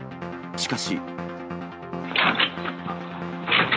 しかし。